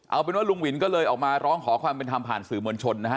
เอาเป็นว่าลุงวินก็เลยออกมาร้องขอความเป็นธรรมผ่านสื่อมวลชนนะฮะ